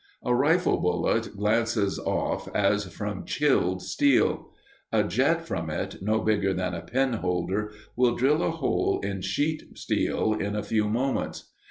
A rifle bullet glances off as from chilled steel; a jet from it, no bigger than a penholder, will drill a hole in sheet steel in a few moments.